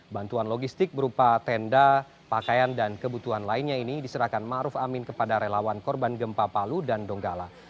bantuan logistik berupa tenda pakaian dan kebutuhan lainnya ini diserahkan ⁇ maruf ⁇ amin kepada relawan korban gempa palu dan donggala